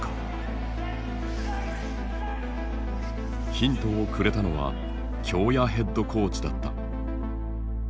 ヒントをくれたのは京谷ヘッドコーチだった。